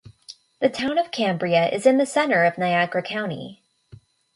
The Town of Cambria is in the center of Niagara County.